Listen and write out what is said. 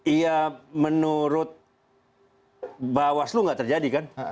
ya menurut bawaslu tidak terjadi kan